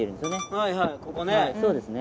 はいはいここね。